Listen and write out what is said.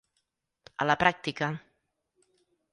A la pràctica.